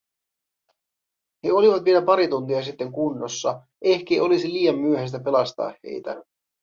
He olivat vielä pari tuntia sitten kunnossa… Ehkei olisi liian myöhäistä pelastaa heitä.